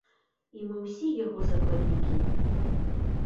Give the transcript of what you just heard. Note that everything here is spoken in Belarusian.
І мы ўсе яго закладнікі.